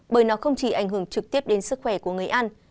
bởi nó không chỉ ảnh hưởng trực tiếp đến sức khỏe của người ăn